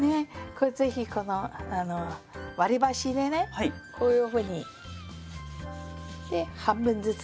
是非この割り箸でねこういうふうに。で半分ずつ。